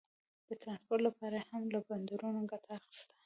د ټرانسپورټ لپاره یې هم له بندرونو ګټه اخیسته.